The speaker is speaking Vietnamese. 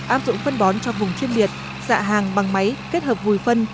áp dụng phân bón cho vùng chuyên biệt xạ hàng bằng máy kết hợp vùi phân